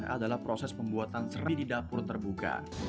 adalah proses pembuatan seri di dapur terbuka